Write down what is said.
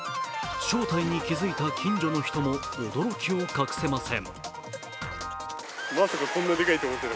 正体に気づいた近所の人も驚きを隠せません。